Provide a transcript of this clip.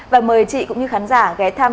và mời chị cũng như khán giả ghé thăm